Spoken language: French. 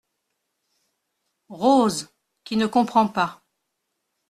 Rose , qui ne comprend pas.